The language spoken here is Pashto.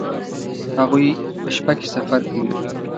هغوی په شپه کې سفر کوي